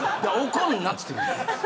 怒るなって。